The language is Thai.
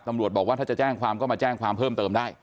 ตำรวจบอกว่าถ้าจะแจ้งความก็มาแจ้งความเพิ่มเติมได้